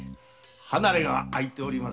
離れが空いております